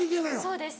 そうです。